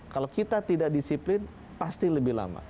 kalau kita tidak disiplin pasti lebih lama